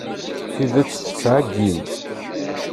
Tidet tettɛeggin.